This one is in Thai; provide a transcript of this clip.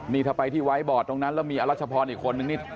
นี่ถ้าไปที่ไว้บอร์ดตรงนั้นแล้วมีอรัชพรอีกคนนึงนี่